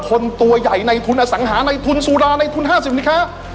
ตัวใหญ่ในทุนอสังหาในทุนสุราในทุน๕๐สินค้า